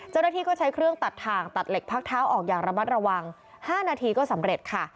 เจ้าหน้าที่ก็ใช้เครื่องตัดถ่างตัดเหล็กพักเท้าออกอย่างระมัดระวัง๕นาทีก็สำเร็จค่ะ